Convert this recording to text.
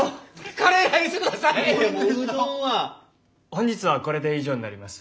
本日はこれで以上になります。